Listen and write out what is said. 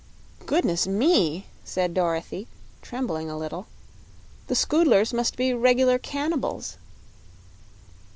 "Goodness me!" said Dorothy, trembling a little; "the Scoodlers must be reg'lar cannibals."